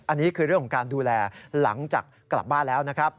อันนี้คือเรื่องของการดูแลหลังจากกลับบ้านแล้วนะครับ